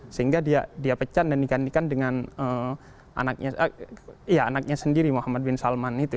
sehingga dia pecat dan digantikan dengan anaknya sendiri muhammad bin salman itu